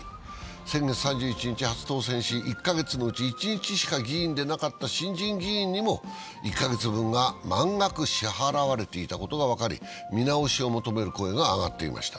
先月３１日に初当選し１カ月のうち１日しか議員でなかった新人議員にも１カ月分が満額支払われていたことが分かり見直しを求める声が上がっていました。